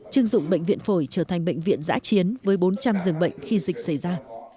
chưng dụng bệnh viện phổi trở thành bệnh viện giã chiến với bốn trăm linh giường bệnh khi dịch xảy ra